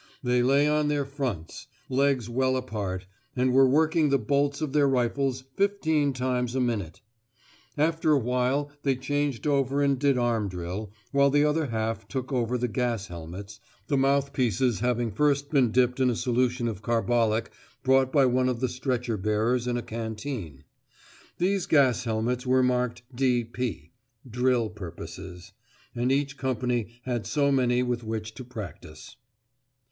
They lay on their fronts, legs well apart, and were working the bolts of their rifles fifteen times a minute. After a while they changed over and did arm drill, while the other half took over the gas helmets, the mouthpieces having first been dipped in a solution of carbolic brought by one of the stretcher bearers in a canteen. These gas helmets were marked D.P. (drill purposes), and each company had so many with which to practise.